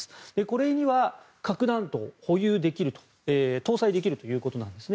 これには、核弾頭が保有できる搭載できるということです。